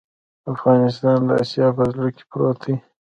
افغانستان د اسیا په زړه کې پروت دی